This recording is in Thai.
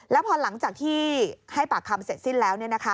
แล้วพอหลังจากที่ให้ปากคำเสร็จสิ้นแล้ว